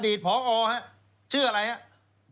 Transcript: อดีตพอชื่ออะไรครับ